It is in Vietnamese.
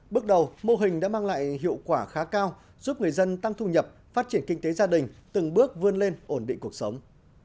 bước đầu mô hình đã mang lại hiệu quả khá cao giúp người dân tăng thu nhập phát triển kinh tế gia đình từng bước vươn lên ổn định cuộc sống